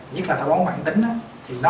nhất là táo bón bản tính đó